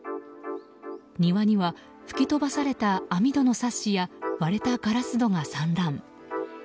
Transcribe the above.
庭には吹き飛ばされた網戸のサッシや割れたガラス戸が散乱。